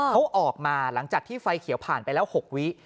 เขาออกมาหลังจากที่ไฟเขียวผ่านไปแล้ว๖วิ